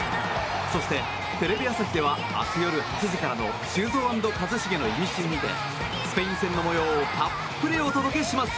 そして、テレビ朝日では明日夜８時からの「修造＆一茂のイミシン」にてスペイン戦の模様をたっぷりお届けします。